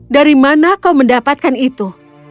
dari mana kau mendapatkan itu